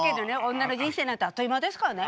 女の人生なんてあっという間ですからね。